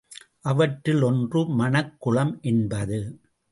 அவற்றுள் ஒன்று மணக் குளம் என்பது.